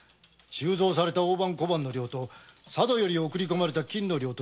鋳造された大判小判の量と佐渡より送り込まれた金の量と違うとでも？